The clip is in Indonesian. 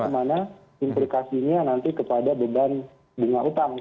dan implikasinya nanti kepada beban bunga utang